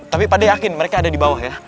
tapi pak deh yakin mereka ada di bawah ya